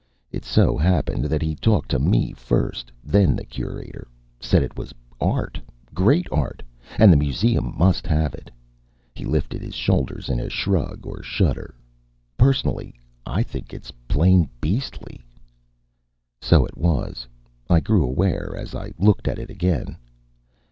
"It so happened that he talked to me first, then to the curator. Said it was art great art and the Museum must have it." He lifted his shoulders, in a shrug or a shudder. "Personally, I think it's plain beastly." So it was, I grew aware as I looked at it again.